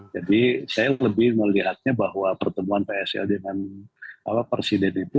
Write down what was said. jadi saya lebih melihatnya bahwa pertemuan pak sel dengan presiden itu